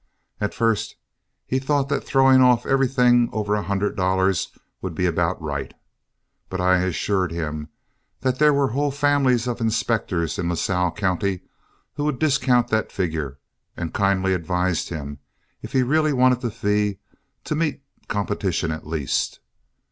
At first he thought that throwing off everything over a hundred dollars would be about right. But I assured him that there were whole families of inspectors in Lasalle County who would discount that figure, and kindly advised him, if he really wanted the fee, to meet competition at least.